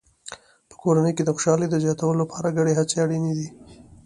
په کورنۍ کې د خوشحالۍ د زیاتولو لپاره ګډې هڅې اړینې دي.